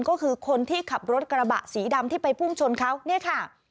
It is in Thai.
ก็คือคนที่ขับรถกระบะสีดำที่ไปพุ่งชนเขาเนี่ยค่ะ